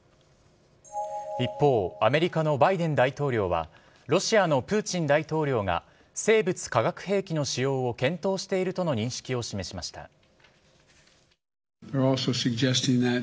一方、アメリカのバイデン大統領は、ロシアのプーチン大統領が、生物化学兵器の使用を検討しているとの認識をしました。